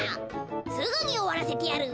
すぐにおわらせてやる。